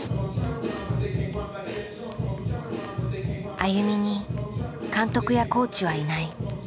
ＡＹＵＭＩに監督やコーチはいない。